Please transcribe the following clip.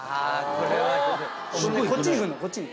こっちに来んのこっちに。